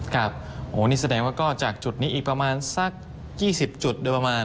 ก็แสดงว่าจากจุดนี้อีกประมาณสัก๒๐จุด